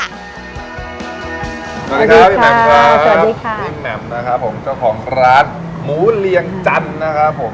สวัสดีครับพี่แหม่มครับสวัสดีค่ะพี่แหม่มนะครับผมเจ้าของร้านหมูเรียงจันทร์นะครับผม